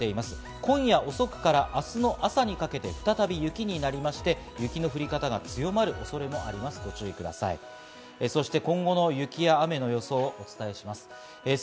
今夜遅くから明日の朝にかけて再び雪になりまして、雪の降り方が強まる恐れもあります。